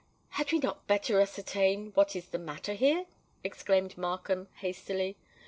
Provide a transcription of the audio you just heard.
"Had we not bettor ascertain what is the matter here?" exclaimed Markham, hastily.